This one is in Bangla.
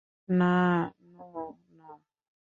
না, নো, না।